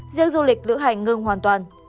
riêng du lịch lựa hành ngưng hoàn toàn